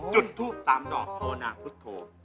จุดทูปตามดอมภะวนาพุทธโฑ